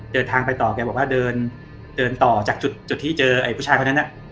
เดินทางไปต่อแกบอกว่าเดินเดินต่อจากจุดที่เจอไอ้ผู้ชายคนนั้นน่ะ